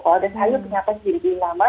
kalau ada sayur penyerapannya jadi lebih lama